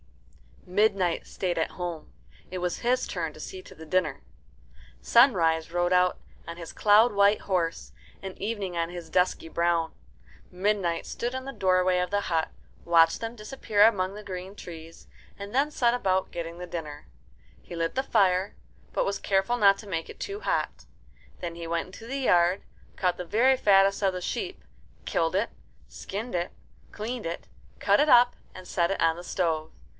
Midnight stayed at home. It was his turn to see to the dinner. Sunrise rode out on his cloud white horse, and Evening on his dusky brown. Midnight stood in the doorway of the hut, watched them disappear among the green trees, and then set about getting the dinner. He lit the fire, but was careful not to make it too hot. Then he went into the yard, caught the very fattest of the sheep, killed it, skinned it, cleaned it, cut it up, and set it on the stove.